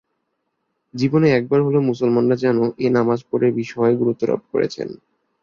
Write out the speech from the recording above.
জীবনে একবার হলেও মুসলমানরা যেনো এ নামাজ পড়ে বিষয়ে গুরুত্বারোপ করেছেন।